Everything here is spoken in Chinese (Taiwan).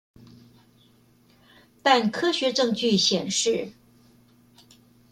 但科學證據顯示